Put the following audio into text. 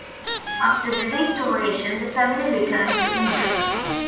After the Restoration the family returned to England.